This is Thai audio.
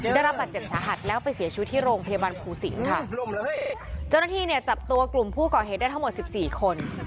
ได้รับบาดเจ็บสาหัสแล้วไปเสียชีวิตที่โรงพยาบาลภูสิงค่ะเจ้าหน้าที่เนี่ยจับตัวกลุ่มผู้ก่อเหตุได้ทั้งหมดสิบสี่คน